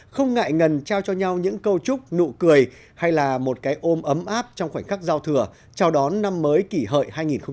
không ngại ngần trao cho nhau những câu chúc nụ cười hay là một cái ôm ấm áp trong khoảnh khắc giao thừa chào đón năm mới kỷ hợi hai nghìn một mươi chín